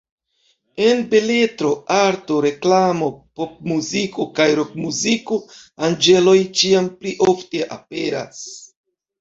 En beletro, arto, reklamo, popmuziko kaj rokmuziko anĝeloj ĉiam pli ofte aperas.